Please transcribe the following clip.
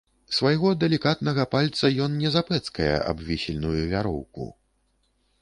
Свайго далікатнага пальца ён не запэцкае аб вісельную вяроўку.